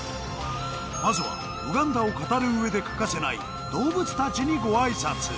まずは、ウガンダを語るうえで欠かせない動物たちにごあいさつ。